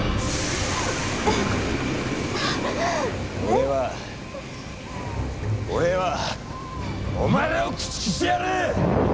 俺は俺はお前らを駆逐してやる！